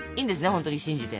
本当に信じて。